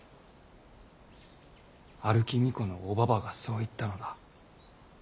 歩き巫女のおばばがそう言ったのだ。